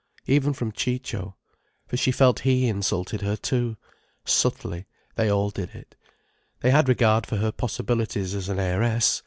Even from Ciccio. For she felt he insulted her too. Subtly, they all did it. They had regard for her possibilities as an heiress.